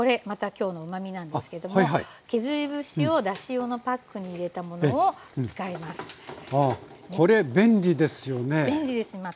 また今日のうまみなんですけども削り節をだし用のパックに入れたものを使います。